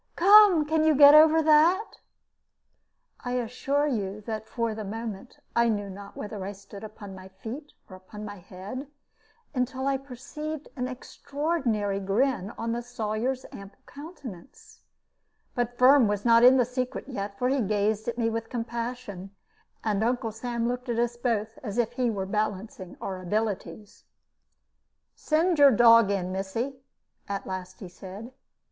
Come, can you get over that?" I assure you that for the moment I knew not whether I stood upon my feet or head, until I perceived an extraordinary grin on the Sawyer's ample countenance; but Firm was not in the secret yet, for he gazed at me with compassion, and Uncle Sam looked at us both as if he were balancing our abilities. "Send your dog in, missy," at last he said.